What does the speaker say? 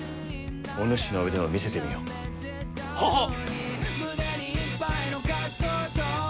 お主の腕を見せてみよ。ははっ！